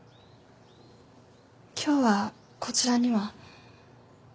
今日はこちらには。